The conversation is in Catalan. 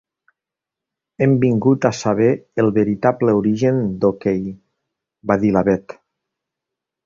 Hem vingut per saber el veritable origen d'OK —va dir la Bet.